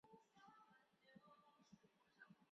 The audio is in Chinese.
教区位于辛吉达区。